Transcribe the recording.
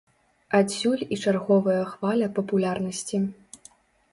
Адсюль і чарговая хваля папулярнасці.